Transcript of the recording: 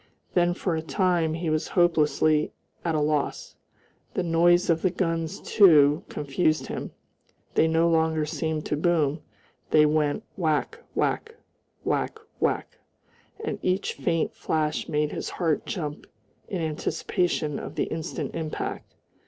Then for a time he was hopelessly at a loss. The noise of the guns, too, confused him, they no longer seemed to boom; they went whack, whack, whack, whack, and each faint flash made his heart jump in anticipation of the instant impact.